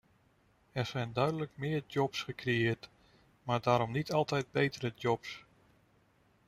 Er zijn duidelijk meer jobs gecreëerd, maar daarom niet altijd betere jobs.